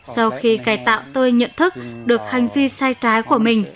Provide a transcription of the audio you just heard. sau khi cài tạo tôi nhận thức được hành vi sai trái của mình